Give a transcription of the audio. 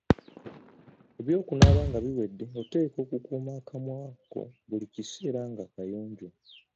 Eby'okunaaba nga biwedde, oteekwa okukuuma akamwa ko buli kiseera nga kayonjo.